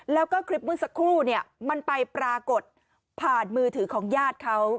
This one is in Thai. แล้วก็คลิปเมื่อสักครู่เนี่ยมันไปปรากฏผ่านมือถือของญาติเขา